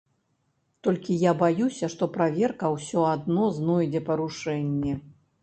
Толькі я баюся, што праверка ўсё адно знойдзе парушэнні.